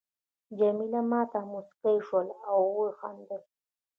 جميله ما ته مسکی شول او وخندل.